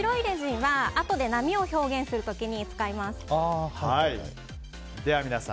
白いレジンはあとで波を表現する時に使います。